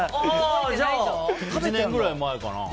１年くらい前かな。